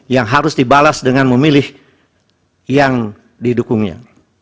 yang harus dibalas dengan memilih yang didukungnya